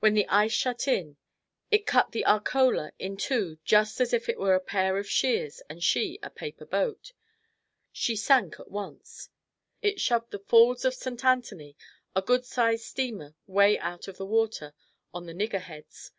When the ice shut in, it cut the "Arcola" in two just as if it was a pair of shears and she a paper boat. She sank at once. It shoved the "Falls of St. Anthony" a good sized steamer way out of the water on the niggerheads.